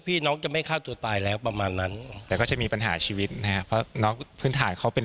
ของพี่ทำจะยังไม่พอ